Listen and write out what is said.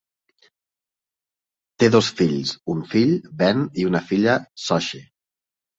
Té dos fills: un fill, Ben, i una filla, Sochi.